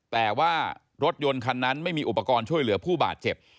แต่ว่ารถยนต์คันนั้นไม่มีอุปกรณ์ช่วยเหลือผู้บาดเจ็บ